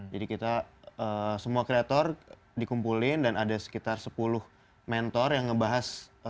jadi kita semua kreator dikumpulin dan ada sekitar sepuluh mentor yang ngebahas